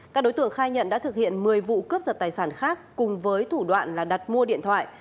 các đối tượng khai nhận đã thực hiện một mươi vụ cướp giật tài sản khác cùng với thủ đoạn là đặt mua điện thoại